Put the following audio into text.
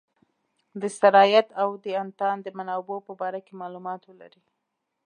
د سرایت او د انتان د منابع په باره کې معلومات ولري.